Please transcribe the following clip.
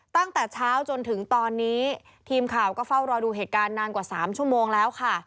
ตั้งแต่เช้าจนถึงตอนนี้ทีมข่าวก็เฝ้ารอดูเหตุการณ์นานกว่า๓ชั่วโมงแล้วค่ะ